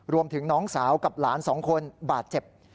รวมถึงน้องสาวกับหลาน๒คนบาดเจ็บ